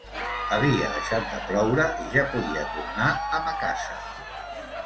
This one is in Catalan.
Havia deixat de ploure i ja podia tornar a ma casa.